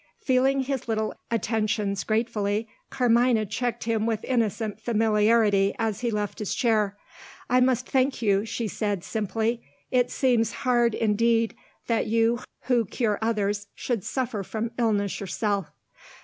Feeling his little attentions gratefully, Carmina checked him with innocent familiarity as he left his chair. "I must thank you," she said, simply; "it seems hard indeed that you, who cure others, should suffer from illness yourself."